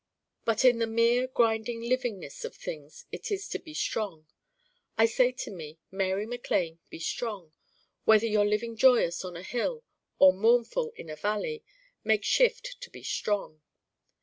But in the mere grinding livingness of things it is to be strong. I say to Me, 'Mary MacLane, be strong: whether you're living joyous on a hill or mournful in a valley, make shift to be strong.